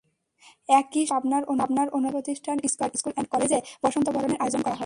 একই সময়ে পাবনার অন্যতম শিক্ষাপ্রতিষ্ঠান স্কয়ার স্কুল অ্যান্ড কলেজে বসন্তবরণের আয়োজন করা হয়।